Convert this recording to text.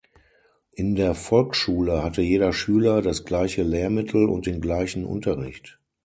In der Volksschule hatte jeder Schüler das gleiche Lehrmittel und den gleichen Unterricht.